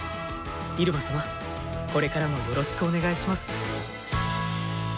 イルマ様これからもよろしくお願いします。